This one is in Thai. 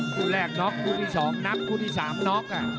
คู่แรกน็อกคู่ที่๒นับคู่ที่๓น็อก